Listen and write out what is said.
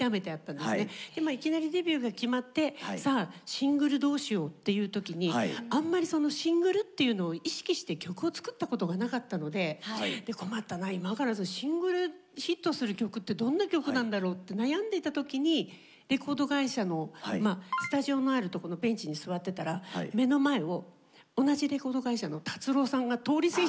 でまあいきなりデビューが決まってさあシングルどうしようっていう時にあんまりシングルっていうのを意識して曲を作ったことがなかったので困ったな今からシングルヒットする曲ってどんな曲なんだろうって悩んでた時にレコード会社のスタジオのあるとこのベンチに座ってたら目の前を同じレコード会社の達郎さんが通り過ぎたんですよ。